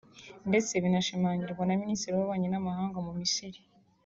ndetse binashimangirwa na Minisiteri y’Ububanyi n’Amahanga mu Misiri